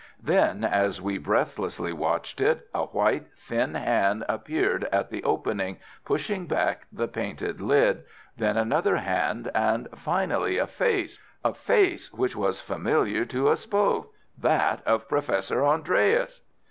Then, as we breathlessly watched it, a white thin hand appeared at the opening, pushing back the painted lid, then another hand, and finally a face—a face which was familiar to us both, that of Professor Andreas.